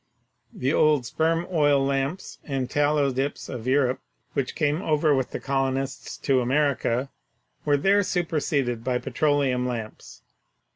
The old sperm oil lamps and tallow dips of Europe which came over with the colonists to America were there superseded by petro leum lamps.